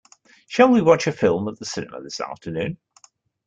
Shall we watch a film at the cinema this afternoon?